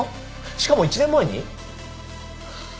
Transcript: しかも１年前に？